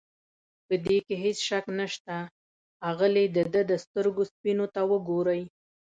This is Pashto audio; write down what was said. په دې کې هېڅ شک نشته، اغلې د ده د سترګو سپینو ته وګورئ.